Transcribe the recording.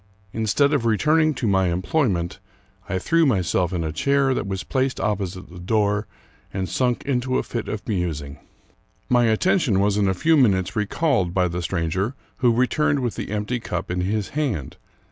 Instead of returning to my employment, I threw myself in a chair that was placed opposite the door, and sunk into a fit of musing. My attention was in a few minutes recalled by the stranger, who returned with the empty cup in his hand.